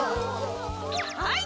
はい。